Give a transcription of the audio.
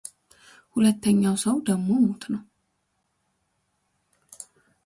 ሁለተኛው ሰው ደግሞ ሞት ነው፡፡